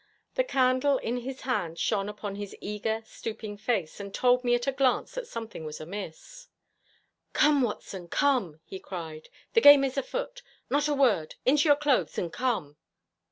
The candle in his hand shone upon his eager, stooping face, and told me at a glance that something was amiss. 'Come, Watson, come!' he cried. The game is afoot. Not a word! Into your clothes and come!'